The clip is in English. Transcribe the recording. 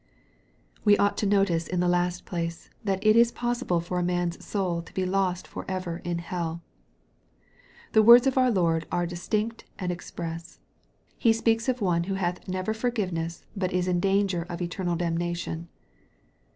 We ought to notice, in the last place, that it is possible for a man's soul to be lost for ever in hell. The words of our Lord are distinct and express. He speaks of one who " hath never forgiveness, but is in danger of eternal damnation."